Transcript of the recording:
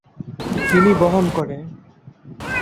তিনি বহন করে।